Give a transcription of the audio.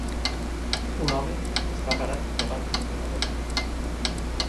Un home està parat davant d'una botiga.